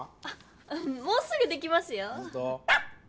あもうすぐできますよ。